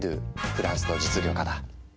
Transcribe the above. フランスの実業家だ。